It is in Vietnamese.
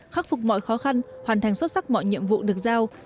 khắc phục mọi khó khăn hoàn thành xuất sắc mọi nhiệm vụ được giao